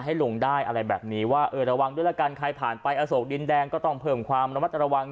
ให้ลงได้อะไรแบบนี้ว่าเออระวังด้วยละกันใครผ่านไปอโศกดินแดงก็ต้องเพิ่มความระมัดระวัง